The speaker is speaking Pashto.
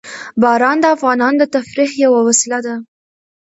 باران د افغانانو د تفریح یوه وسیله ده.